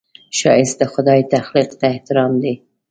ښایست د خدای تخلیق ته احترام دی